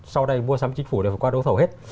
sau đây mua sắm chính phủ đều phải qua đấu thầu hết